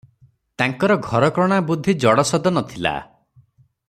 ତାଙ୍କର ଘରକରଣା ବୁଦ୍ଧି ଜଡ଼ସଦ ନ ଥିଲା ।